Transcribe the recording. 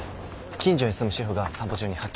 近所に住む主婦が散歩中に発見。